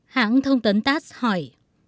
hãng thông tấn tass hỏi